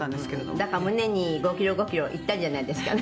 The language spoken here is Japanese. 「だから胸に５キロ５キロいったんじゃないんですかね」